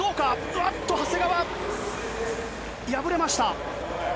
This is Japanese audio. おっと、長谷川、敗れました。